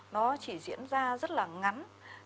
nó chỉ diễn ra rất là ngắn